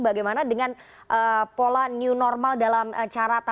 bagaimana dengan pola new normal dalam cara